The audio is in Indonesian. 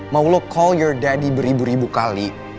mau lo call your deady beribu ribu kali